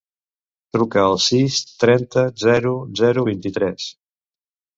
Truca al sis, trenta, zero, zero, vint-i-tres.